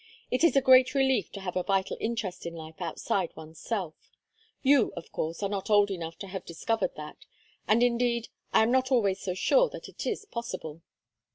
It is a great relief to have a vital interest in life outside one's self. You, of course, are not old enough to have discovered that; and, indeed, I am not always so sure that it is possible."